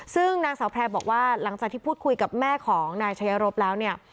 ซึ่งนางสาวแพร่บอกว่าหลังจากที่พูดคุยกับแม่ของนายชายรบแล้วเนี่ย